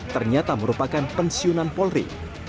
ternyata merupakan pensiunan polri